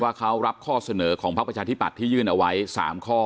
ว่าเขารับข้อเสนอของภักร์ประชาธิบัตรที่ยื่นเอาไว้สามข้อ